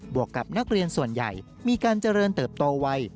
วกกับนักเรียนส่วนใหญ่มีการเจริญเติบโตไว